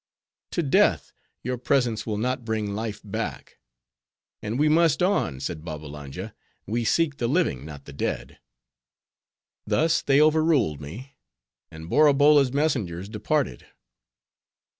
"To death, your presence will not bring life back." "And we must on," said Babbalanja. "We seek the living, not the dead." Thus they overruled me; and Borabolla's messengers departed.